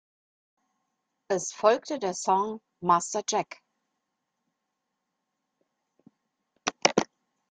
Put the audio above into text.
Es folgte der Song "Master Jack".